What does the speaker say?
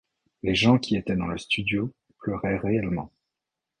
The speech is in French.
Les gens qui étaient dans le studio pleuraient réellement.